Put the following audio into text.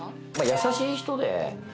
優しい人で。